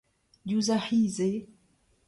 Diouzh ar c’hiz eo.